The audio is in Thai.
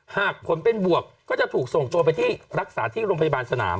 หากผลเป็นบวกก็จะถูกส่งตัวไปที่รักษาที่โรงพยาบาลสนาม